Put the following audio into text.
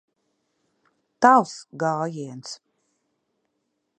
Tavs gājiens.